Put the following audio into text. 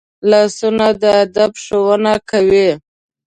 لاسونه د ادب ښوونه کوي